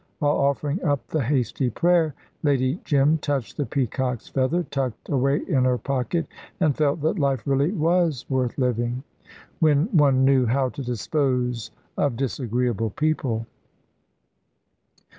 While offering up the hasty prayer Lady Jim touched the peacock's feather, tucked away in her pocket, and felt that life really was worth living, when one knew how to dispose of disagreeable people.